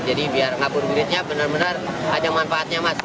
jadi biar ngabuburitnya benar benar ada manfaatnya mas